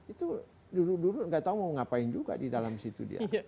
itu dulu dulu nggak tahu mau ngapain juga di dalam situ dia